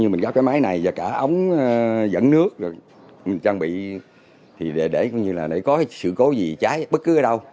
mình gắp cái máy này và cả ống dẫn nước trang bị để có sự cố gì cháy bất cứ ở đâu